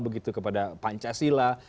begitu kepada pancasila